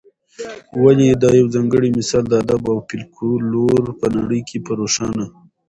ولي دا یوځانګړی مثال د ادب او فلکلور په نړۍ کي په روښانه